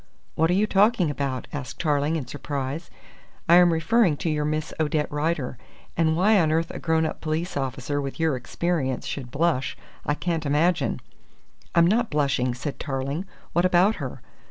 "What are you talking about?" asked Tarling in surprise. "I am referring to your Miss Odette Rider and why on earth a grown up police officer with your experience should blush, I can't imagine." "I'm not blushing," said Tarling. "What about her?"